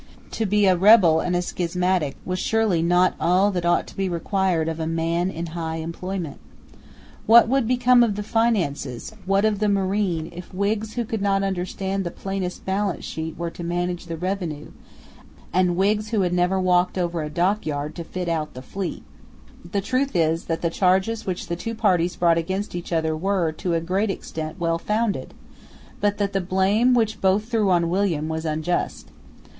To be a rebel and a schismatic was surely not all that ought to be required of a man in high employment. What would become of the finances, what of the marine, if Whigs who could not understand the plainest balance sheet were to manage the revenue, and Whigs who had never walked over a dockyard to fit out the fleet. The truth is that the charges which the two parties brought against each other were, to a great extent, well founded, but that the blame which both threw on William was unjust.